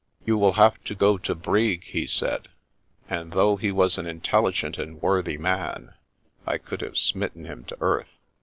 "You will have to go to Brig," he said; and though he was an intelligent and worthy man, I could have smitten him to earth.